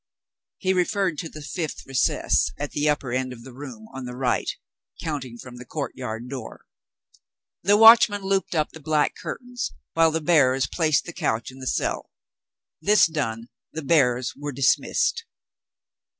He referred to the fifth recess, at the upper end of the room on the right, counting from the courtyard door. The watchman looped up the black curtains, while the bearers placed the couch in the cell. This done, the bearers were dismissed.